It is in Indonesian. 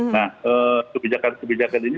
nah kebijakan kebijakan ini